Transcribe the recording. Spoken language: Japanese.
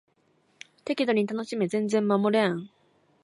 適度に楽しめ全然守れん